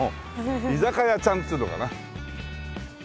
「居酒屋ちゃん」っつうのかな？